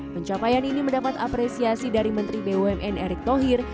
pencapaian ini mendapat apresiasi dari menteri bumn erick thohir